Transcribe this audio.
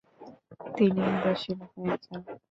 তিনি উদাসীন হয়ে যান।